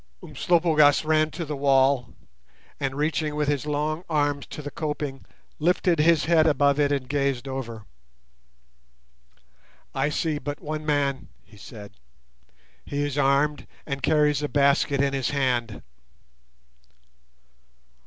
Umslopogaas ran to the wall, and, reaching with his long arms to the coping, lifted his head above it and gazed over. "I see but one man," he said. "He is armed, and carries a basket in his hand."